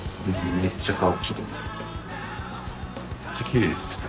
めっちゃきれいですね。